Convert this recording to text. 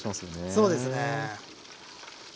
そうですね。